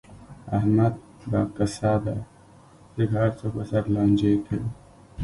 احمد به کسه دی، ځکه هر څوک ورسره لانجې کوي.